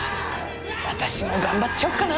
私も頑張っちゃおっかな。